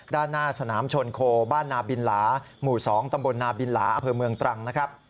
ด้านหน้าสนามชนโคบ้านนาบินหลาหมู่๒ตำบลนาบินหลาอำเภอเมืองตรังนะครับ